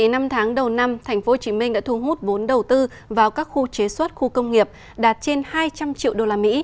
năm tháng đầu năm tp hcm đã thu hút vốn đầu tư vào các khu chế xuất khu công nghiệp đạt trên hai trăm linh triệu usd